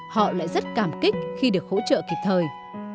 họ lại rất cảm kích khi được hỗ trợ kịp thời